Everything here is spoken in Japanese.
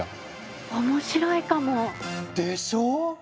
面白いかも。でしょ。